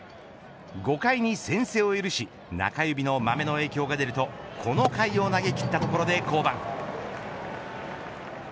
５回に先制を許し中指のまめの影響が出るとこの回を投げきったところで降板。